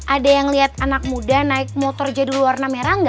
ada yang lihat anak muda naik motor jadi warna merah nggak